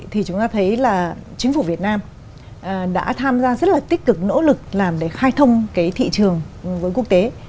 thì chúng ta thấy là chính phủ việt nam đã tham gia rất là tích cực nỗ lực làm để khai thông cái thị trường với quốc tế